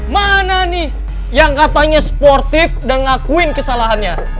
mana nih yang katanya sportif dan ngakuin kesalahannya